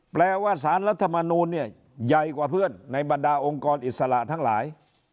แปลว่าสารรัฐมนูลเนี่ยใหญ่กว่าเพื่อนในบรรดาองค์กรอิสระทั้งหลาย